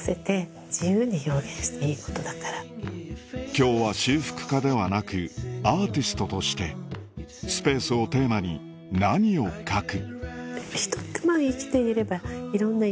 今日は修復家ではなくアーティストとしてスペースをテーマに何を描く？